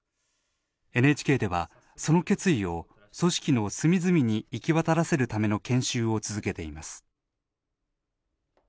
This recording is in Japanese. ＮＨＫではその決意を組織の隅々に行き渡らせるための研修を続けています。